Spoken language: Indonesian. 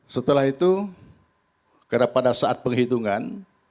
setelah itu karena pada saat penghitungan